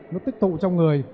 nó tích tụ trong người